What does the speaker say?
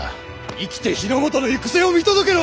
生きて日の本の行く末を見届けろ。